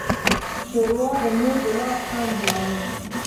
ښوروا د مور د لاس خوند لري.